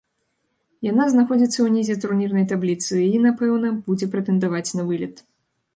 Яна знаходзіцца ўнізе турнірнай табліцы і, напэўна, будзе прэтэндаваць на вылет.